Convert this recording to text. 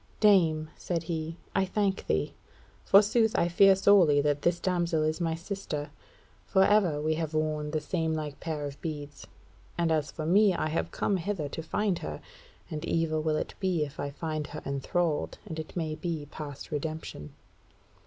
"Dame," said he, "I thank thee: forsooth I fear sorely that this damsel is my sister; for ever we have worn the samelike pair of beads. And as for me I have come hither to find her, and evil will it be if I find her enthralled, and it may be past redemption."